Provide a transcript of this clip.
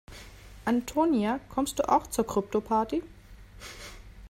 Antonia, kommst du auch zur Kryptoparty?